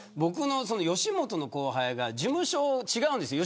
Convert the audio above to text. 吉本の後輩が事務所違うんですよ。